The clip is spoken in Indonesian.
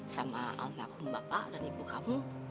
sama almarhum bapak dan ibu kamu